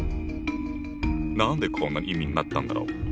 何でこんな意味になったんだろう？